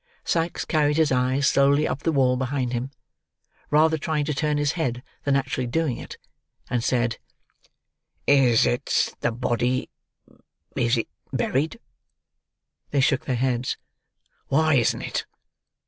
Sikes carried his eyes slowly up the wall behind him: rather trying to turn his head than actually doing it: and said, "Is—it—the body—is it buried?" They shook their heads. "Why isn't it!"